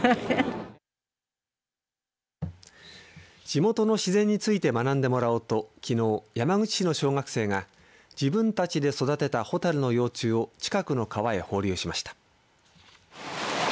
地元の自然について学んでもらおうときのう山口市の小学生が自分たちで育てた蛍の幼虫を近くの川へ放流しました。